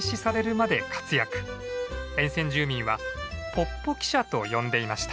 沿線住民はポッポ汽車と呼んでいました。